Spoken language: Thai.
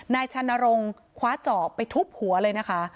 ชานรงค์คว้าจอบไปทุบหัวเลยนะคะ